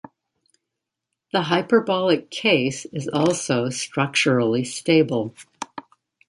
The hyperbolic case is also "structurally stable".